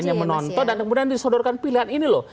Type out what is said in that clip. yang menonton dan kemudian disodorkan pilihan ini loh